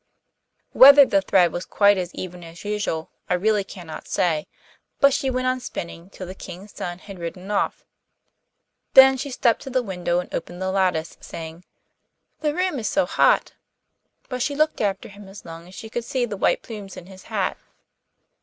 Whether the thread was quite as even as usual I really cannot say, but she went on spinning till the King's son had ridden off. Then she stepped to the window and opened the lattice, saying, 'The room is so hot,' but she looked after him as long as she could see the white plumes in his hat.